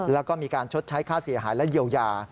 แล้วก็มีการชดใช้ค่าเสียหายและเยียวยา